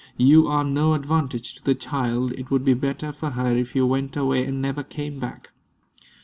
You are no advantage to the child. It would be better for her if you went away and never came back."